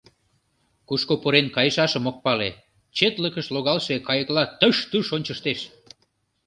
Кушко пурен кайышашым ок пале — четлыкыш логалше кайыкла тыш-туш ончыштеш.